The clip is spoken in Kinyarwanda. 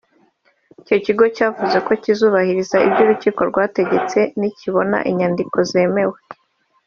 Icyo kigo cyavuze ko kizubahiriza ibyo urukiko rwategetse nikibona inyandiko zemewe